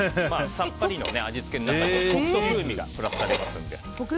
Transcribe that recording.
さっぱりの味付けにコクと風味がプラスされますんで。